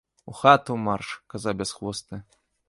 У хату марш, каза бясхвостая.